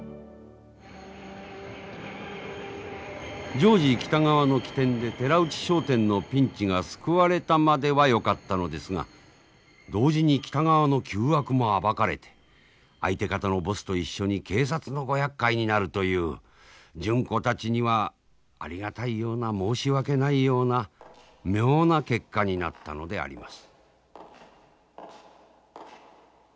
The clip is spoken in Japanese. ジョージ北川の機転で寺内商店のピンチが救われたまではよかったのですが同時に北川の旧悪も暴かれて相手方のボスと一緒に警察のごやっかいになるという純子たちにはありがたいような申し訳ないような妙な結果になったのであります。